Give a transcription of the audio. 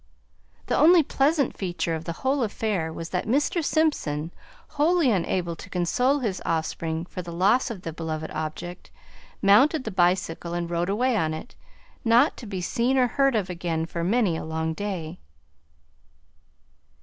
The only pleasant feature of the whole affair was that Mr. Simpson, wholly unable to console his offspring for the loss of the beloved object, mounted the bicycle and rode away on it, not to be seen or heard of again for many a long day.